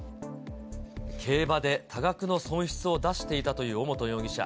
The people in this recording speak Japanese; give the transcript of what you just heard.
競馬で多額の損失を出していたという尾本容疑者。